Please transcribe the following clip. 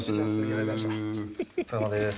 お疲れさまです。